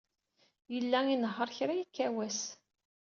Yella inehheṛ kra yekka wass.